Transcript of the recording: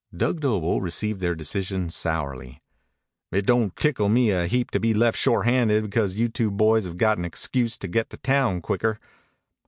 Dug Doble received their decision sourly. "It don't tickle me a heap to be left short handed because you two boys have got an excuse to get to town quicker."